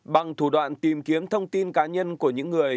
bằng thủ đoạn tìm kiếm thông tin cá nhân của những người